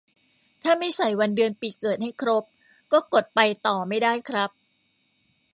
ถ้าไม่ใส่วัน เดือน ปีเกิดให้ครบ ก็กดไปต่อไม่ได้ครับ